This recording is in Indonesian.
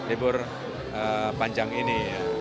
sama libur panjang ini